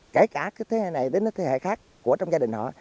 kể cả thế hệ này đến thế hệ khác của trong gia đình họ